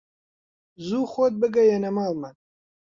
زوو خۆت بگەیەنە ماڵمان